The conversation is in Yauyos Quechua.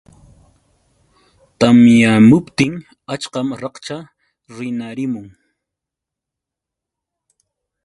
Tamyamuptin achkan rachaq rinarimun.